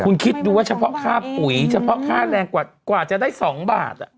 คุณคิดดูว่าเฉพาะค่าปุ๋ยเฉพาะค่าแรงกว่าจะได้๒บาท